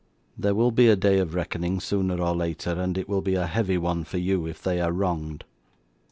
There will be a day of reckoning sooner or later, and it will be a heavy one for you if they are wronged.